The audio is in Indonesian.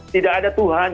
tidak ada tuhan